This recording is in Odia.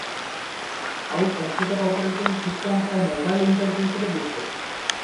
ଆଉ କମ୍ପୁଟର ଅପରେଟିଂ ସିଷ୍ଟମ ଓ ମୋବାଇଲ ଇଣ୍ଟରଫେସରେ ଦିଶେ ।